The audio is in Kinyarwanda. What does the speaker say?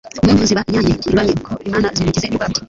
Impundu ziba inyange i RwamikoImana zimugize Rwabugiri